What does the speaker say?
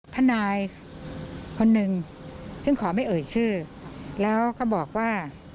ทนายคนหนึ่งซึ่งขอไม่เอ่ยชื่อแล้วก็บอกว่า